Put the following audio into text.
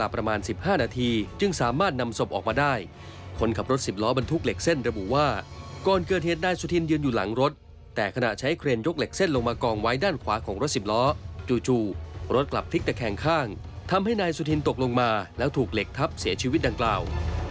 ประมาณ๑๕นาทีจึงสามารถนำศพออกมาได้คนขับรถสิบล้อบรรทุกเหล็กเส้นระบุว่าก่อนเกิดเหตุนายสุธินยืนอยู่หลังรถแต่ขณะใช้เครนยกเหล็กเส้นลงมากองไว้ด้านขวาของรถสิบล้อจู่รถกลับพลิกตะแคงข้างทำให้นายสุธินตกลงมาแล้วถูกเหล็กทับเสียชีวิตดังกล่าว